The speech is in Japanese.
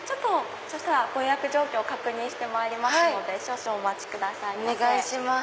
ご予約状況確認してまいりますので少々お待ちくださいませ。